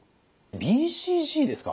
ＢＣＧですか？